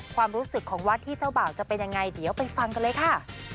ความรู้สึกของวัดที่เจ้าบ่าวจะเป็นยังไงเดี๋ยวไปฟังกันเลยค่ะ